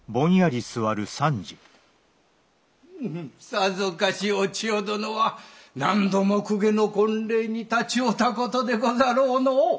さぞかしお千代殿は何度も公家の婚礼に立ち会うた事でござろうの？